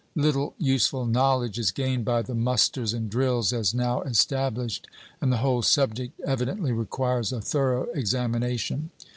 Little useful knowledge is gained by the musters and drills as now established, and the whole subject evidently requires a thorough examination.